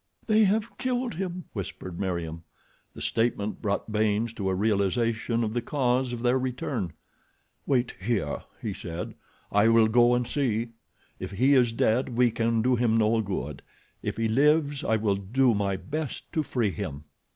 "They have killed him," whispered Meriem. The statement brought Baynes to a realization of the cause of their return. "Wait here," he said. "I will go and see. If he is dead we can do him no good. If he lives I will do my best to free him."